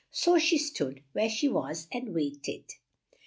So she stood where she was and wait ed.